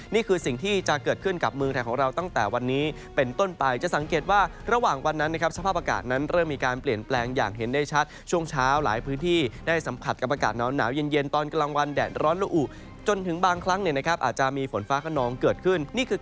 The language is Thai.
นี่คือสิ่งที่จะเกิดขึ้นกับเมืองไทยของเราตั้งแต่วันนี้เป็นต้นไปจะสังเกตว่าระหว่างวันนั้นนะครับสภาพอากาศนั้นเริ่มมีการเปลี่ยนแปลงอย่างเห็นได้ชัดช่วงเช้าหลายพื้นที่ได้สัมผัสกับอากาศหนาวเย็นตอนกลางวันแดดร้อนละอุจนถึงบางครั้งเนี่ยนะครับอาจจะมีฝนฟ้าขนองเกิดขึ้นนี่คือ